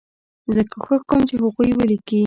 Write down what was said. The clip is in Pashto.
زه کوښښ کوم چې هغوی ولیکي.